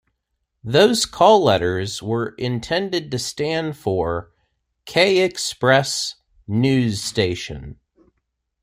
Those call letters were intended to stand for, K-Express News Station.